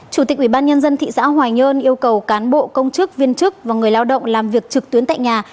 chủ tịch ủy ban nhân dân thị xã hoài nhơn yêu cầu cán bộ công chức viên chức và người lao động làm việc trực tuyến tại nhà